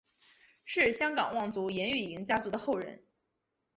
是香港望族颜玉莹家族的后人。